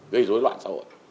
gây rối loạn xong rồi